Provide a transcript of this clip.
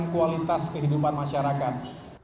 kualitas kehidupan masyarakat